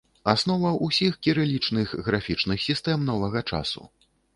Аснова ўсіх кірылічных графічных сістэм новага часу.